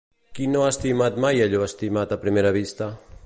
Qui no ha estimat mai allò estimat a primera vista?